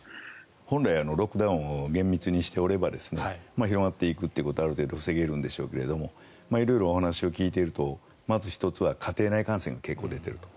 本来ロックダウンを厳密にしていれば広がっていくということはある程度防げるんでしょうけど色々お話を聞いているとまず１つは家庭内感染が出ていると。